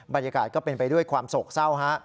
บรรยากาศก็เป็นไปด้วยความโศกเศร้าฮะ